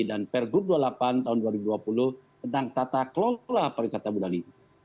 dan per grup dua puluh delapan tahun dua ribu dua puluh tentang tata kelola pariwisata budaya